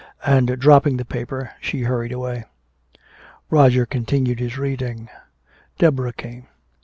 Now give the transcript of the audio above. And dropping the paper, she hurried away. Roger continued his reading. Deborah came.